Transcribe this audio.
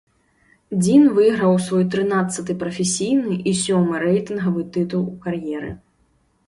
Дзін выйграў свой трынаццаты прафесійны і сёмы рэйтынгавы тытул у кар'еры.